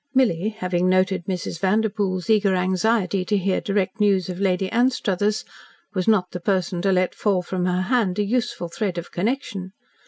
Milly, having noted Mrs. Vanderpoel's eager anxiety to hear direct news of Lady Anstruthers, was not the person to let fall from her hand a useful thread of connection.